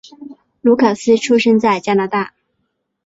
卢卡斯出生在加拿大。